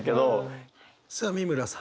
さあ美村さん。